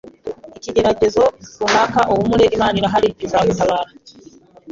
ikigeragezo runaka uhumure Imana irahari izagutabara